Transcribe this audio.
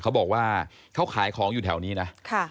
เขาบอกว่าเขาขายของอยู่แถวนี้นะ